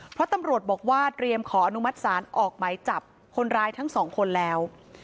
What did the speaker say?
เพราะตำรวจบอกว่าเตรียมขออนุมัติศาลออกหมายจับคนร้ายทั้งสองคนแล้ว